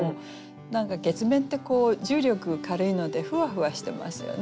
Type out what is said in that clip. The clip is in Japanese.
何か月面って重力軽いのでふわふわしてますよね。